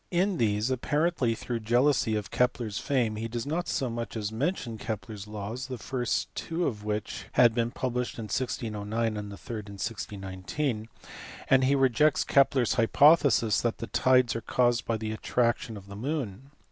In these, apparently through jealousy of Kepler s fame, he does not so much as mention Kepler s laws (the first two of which had been pub lished in 1609 and the third in 1619) and he rejects Kepler s hypothesis that the tides are caused by the attraction of the moon.